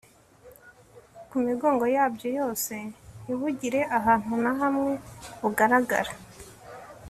ku migongo yabyo yose ntibugire ahantu na hamwe bugaragara